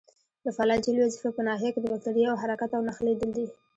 د فلاجیل وظیفه په ناحیه کې د باکتریاوو حرکت او نښلیدل دي.